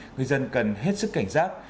người dân cần hết sức cảnh giác